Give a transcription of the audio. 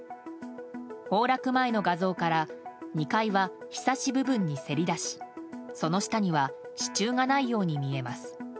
崩落前の画像から２階はひさし部分にせり出しその下には支柱がないように見えます。